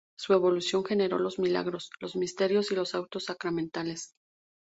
Su evolución generó los milagros, los misterios y los autos sacramentales.